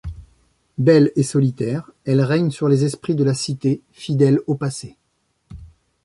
Belle et solitaire, elle règne sur les esprits de la cité, fidèle au passé.